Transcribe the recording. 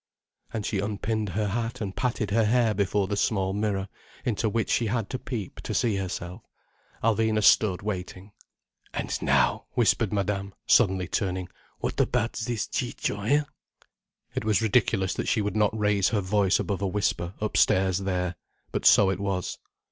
And she unpinned her hat and patted her hair before the small mirror, into which she had to peep to see herself. Alvina stood waiting. "And now—" whispered Madame, suddenly turning: "What about this Ciccio, hein?" It was ridiculous that she would not raise her voice above a whisper, upstairs there. But so it was.